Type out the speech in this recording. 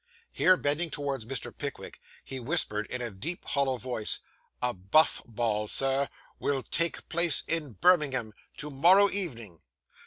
Here, bending towards Mr. Pickwick, he whispered in a deep, hollow voice, 'A Buff ball, Sir, will take place in Birmingham to morrow evening.